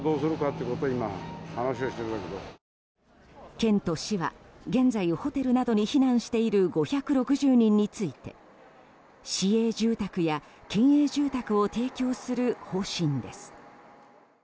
県と市は現在、ホテルなどに避難している５６０人について市営住宅や県営住宅を提供する方針です。